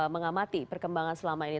mengamati perkembangan selama ini